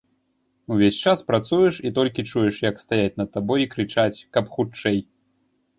Увесь час працуеш, і толькі чуеш, як стаяць над табой і крычаць, каб хутчэй.